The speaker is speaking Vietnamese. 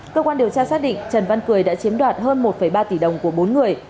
cơ quan điều tra xác định trần văn cười đã chiếm đoạt hơn một ba tỷ đồng của bốn người